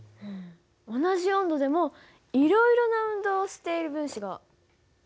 同じ温度でもいろいろな運動をしている分子があるって事？